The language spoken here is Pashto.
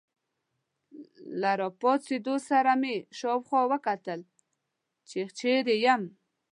له راپاڅېدو سره مې شاوخوا وکتل، چې چیرې یم.